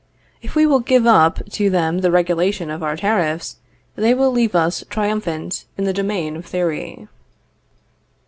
If we will give up to them the regulation of our tariffs, they will leave us triumphant in the domain of theory.